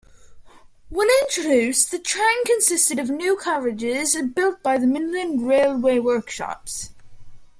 When introduced, the train consisted of new carriages built by the Midland Railway Workshops.